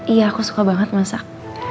iya aku suka banget masak